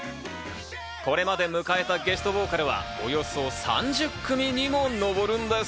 これまで迎えたゲストボーカルはおよそ３０組にものぼるんです。